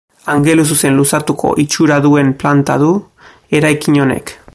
Angeluzuzen luzatuko itxura duen planta du eraikin honek.